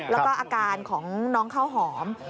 แล้วก็อาการของน้องข้าวหอม